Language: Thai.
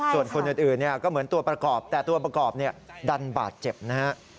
ส่วนคนอื่นก็เหมือนตัวประกอบแต่ตัวประกอบดันบาดเจ็บนะฮะ